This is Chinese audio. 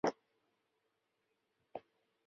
非洲三叉蝠属等之数种哺乳动物。